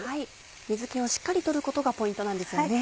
水気をしっかり取ることがポイントなんですよね。